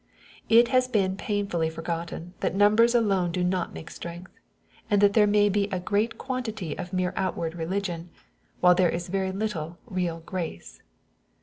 It has been pain fully forgotten that numbers alone do not make strength, and that there may be a great quantity of mere out ward religion, while there is very little real grace.